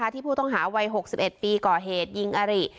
ที่ผู้ต้องหาวัย๖๑ปีก่อเหตุยิงอริ